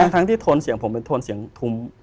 แม้ทั้งที่ทุนเสียงผมถูกถูก